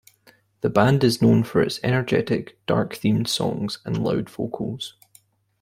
The band is known for its energetic, dark-themed songs and loud vocals.